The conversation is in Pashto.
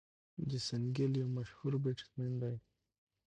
جیسن ګيل یک مشهور بيټسمېن دئ.